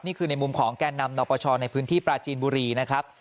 นี่คือในมุมของแก่นำนปชในพื้นที่ปราจีนบุรีนะครับ